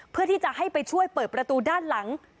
เพื่อที่จะให้ไปช่วยเปิดประตูด้านหลัง